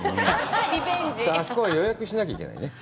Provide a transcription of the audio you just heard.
あそこは予約しなきゃいけないね。